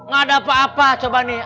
gak ada apa apa coba nih